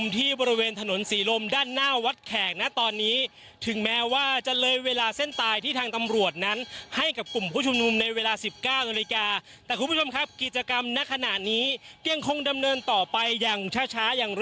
ทางตำรวจ